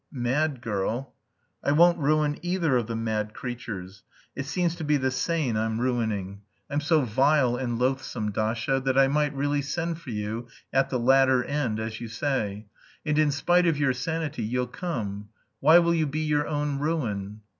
mad girl?" "I won't ruin either of the mad creatures. It seems to be the sane I'm ruining. I'm so vile and loathsome, Dasha, that I might really send for you, 'at the latter end,' as you say. And in spite of your sanity you'll come. Why will you be your own ruin?"